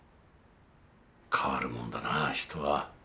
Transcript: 変わるもんだな人は。